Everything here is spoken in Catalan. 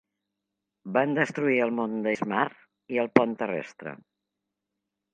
Van destruir el mont Deismaar i el pont terrestre.